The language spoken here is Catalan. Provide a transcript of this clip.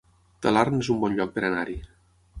Talarn es un bon lloc per anar-hi